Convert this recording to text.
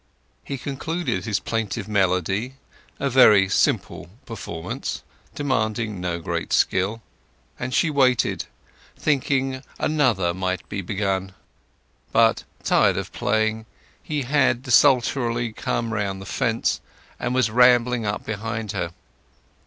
He concluded his plaintive melody, a very simple performance, demanding no great skill; and she waited, thinking another might be begun. But, tired of playing, he had desultorily come round the fence, and was rambling up behind her.